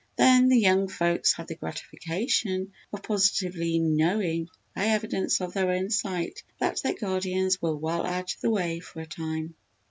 Then the young folks had the gratification of positively knowing by evidence of their own sight, that their guardians were well out of the way for a time.